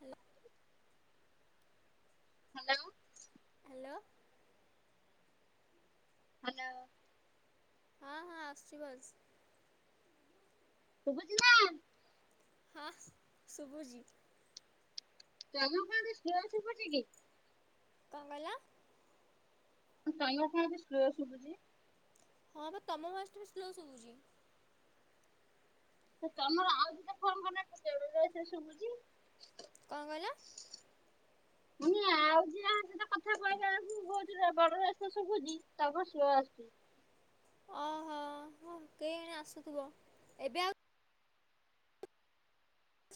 ହାଲ hello. Hello. Hello. ହଁ ହଁ ଆସୁଛି ଭଏସ। ଶୁଭୁଛି ନା। ହଁ ଶୁଭୁଛି। [unintelligible] କ୍ଲିୟର ଶୁଭୁଚି କି। କଣ କହିଲ? [unintelligible] କଁ ଏତେ ସ୍ଲୋ ସୁୁୁଭୁଛି। ହଁ ପା ତମ ଭଏସ ଟା ବି ସ୍ଲୋ ଶୁଭୁଛି। ଏ ତମର ଆଉ ଦିଟା ଫୋନ କନେକ୍ଟ [unintelligible] ଶୁଭୁଛି। କଣ କହିଲ? ମୁଁ କହିଲି ଆଉ ଯିଏ [unintelligible] କଥା କହିଲା ବେଳକୁ ବହୁତ ର ଭଲରେ [unintelligible] ଶୁଭୁଛି ତମର ସ୍ଲୋ ଆସୁଛି। ଓହୋ କେଜାଣି ଆସୁଥିବ ଏବେ ଆଉ।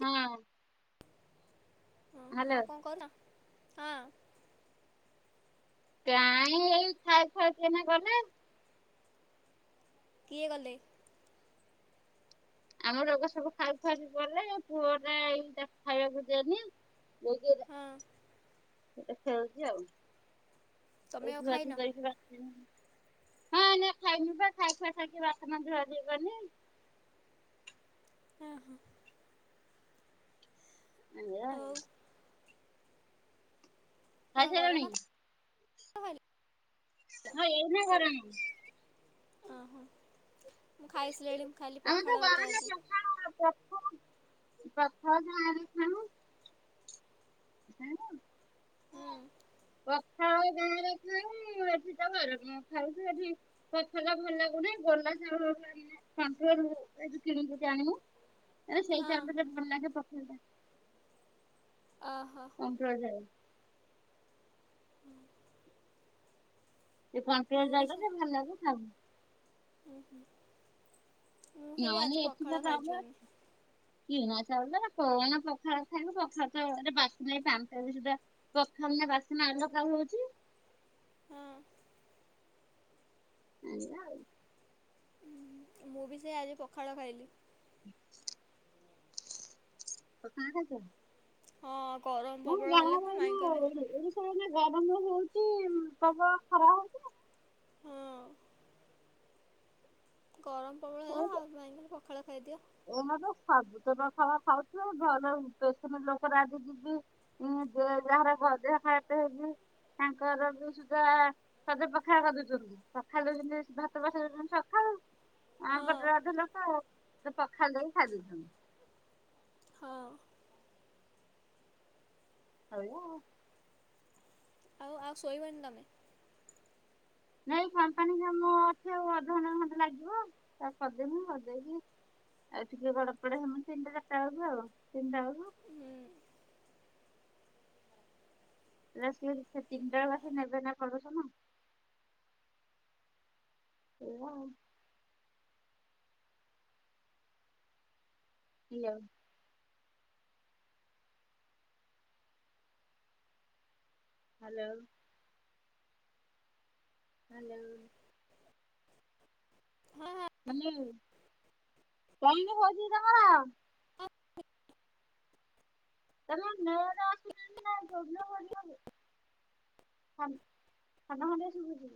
ହଁ ହଁ ଆଉ ହ୍ୟାଲୋ କଣ କହୁନା ହଁ କାଇଁ ଏଇ ଖାଇ ଖାଇକିନା କଲେ। କିଏ ଗଲେ? ଆମ ଲୋକ ସବୁ ଖାଇ ଖୁଆ କିଣିଗଲେ ପୁଅ ଟା ଏଇ ଖାଇବାକୁ ଦେଲି। ହଁ ଖେଳୁଛି ଆଉ ତମେ ଆଉ ଖାଇନ [unintelligible] ହଁ ନା ଖାଇନୁ ବା ଖାଇ ଖୁଆ ଖାଇକି ଧୁଆଧୁଇ କଲି ହଁ ହୋ ହାଲିଆ ଆଉ କଣ ଖାଇ ଗରମ ସାରିଲୁଣି? ଭାତ ଖାଇଲ ହଁ ଏଇନା ଘରେ ଅଛି ଓହୋ ମୁଁ ଖାଇସିଲିଣି ଖାଇଲି ପଖାଳ ଭାତ ଆଜି। ପ୍ରଥମ ଯାଁରେ [inaudible] କଣ ହୁଁ ପଖାଳ ଗାଁରେ କ ଏଠି ତା ଘର କଣ ଖାଉଛ ଏଠି। କଲା ଭଲ ଲାଗୁନ ଗଲାଉଙ୍କ କିଣୁ ଜ ଆଣିବୁ। ହେ ସେଇ ହଁ ଟାଇମ ରେ ଯଦି ଭଲ ଲାଗେ ପକେଇ ଦେବୀ ଅହୋ। କମ୍ପ ଯାଏ ସେ ମୁଁ ବି ସେ [unintelligible] ଭଲରେ ଥାଉ। ହୁଁ ହୁଁ। ମୁଁ ସେ ବି ଆଜି ପଖାଳ ଖାଇଛୁ ଆମେ [unintelligible] କିଣା ଚାଉଳ କଣ ପଖାଳ ଖାଇବ ପଖାଳ ଟା ବାସ ପ୍ରଥନେ ବାସନା ଆଲ ଖା ହଉଚଛି। ହଁ ଆଣିବା ଆଉ ମୁଁ ବି ସେଇଆ ଆଜି ପଖାଳ ଖାଇଲି। ହ। ପଖାଳ ଖାଇଛ ହଁ କରମ। ହଁ ଗାଁରେ ନା ଏଇନା ଏଇଟି ସବୁ ଆଇନ ଗରମ ହଉଛି ପ୍ରବଳ ଖରା ହଉଛି। ହଁ ଗରମ ପବଳ ହେଲା ଆଉ ପଖାଳ ଖାଇଦିଅ। ଏମ ତ ସବୁ ତ ପଖାଳ ଖାଉଚୁ ଆଉ ଘରେସିନ ଲୋକ ରାଜି ଯିବି। ହଁ ଯେ ଯହାର ଖଦ ଖାଇଟ ହେଜି। ତାଙ୍କର ବି ସୁଧା ସଦପଖା କରିଦୁଛନ୍ତି। ସକାଳୁ ଦଉି ଭାତ ବସା ଦଛନ୍ତି ସକାଳୁ। ଆଁ ପଟେ ହଁ ଅଧା ଲୋକ ପଖା ଦେଇ ଖାଇଦଉଛନ୍ତି। ହଁ। ହଉ। ଆଉ ଆଉ ଶୋଇବନି ତମେ। ନାଇଁ ଫପାନୀ ଯ ମୁ ଅଛେ ଆଉ ଅଧଘଣ୍ଟା ଖଣ୍ଡେ ଲାଗିବ ତା କରିଦେଇବି କରିଦେଇବି। ଆଉ ଟିକେ ବଡ ପଡ ହନ ତିନିଟ ଚାରିଟା ବେଳ ଆଉ ତିନିଟା ବେଳକୁ। ହୁଁ ଆସ ସେ ତିନିଟା ବଳକୁ ଆସି ନେବେ ନା ପାଲୁଷଣ। ହେଲା ଆଉ ହଲୋ। ହ୍ୟାଲୋ। ଆଲେ। ହଁ ହଁ। କମ ହଜି ତମର। ତା ନ ଯୋ ବ। ଖାନ ମଆ ଶୁଭୁଛିିବ।